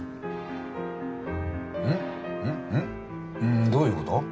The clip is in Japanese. んどういうこと？